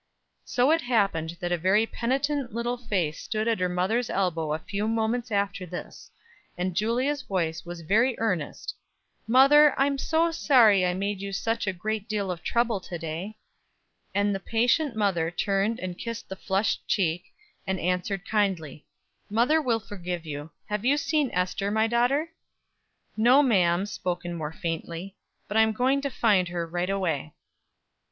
So it happened that a very penitent little face stood at her mother's elbow a few moments after this; and Julia's voice was very earnest: "Mother, I'm so sorry I made you such a great deal of trouble to day." And the patient mother turned and kissed the flushed cheek, and answered kindly: "Mother will forgive you. Have you seen Ester, my daughter?" "No, ma'am," spoken more faintly; "but I'm going to find her right away."